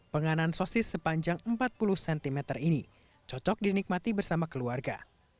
penganan sosis sepanjang empat puluh cm ini cocok dinikmati bersama keluarga